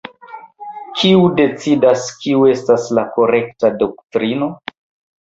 Kiu decidas kiu estas la "korekta" doktrino?